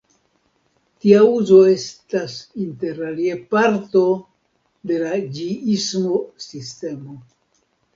Tia uzo estas interalie parto de la ĝiismo-sistemo.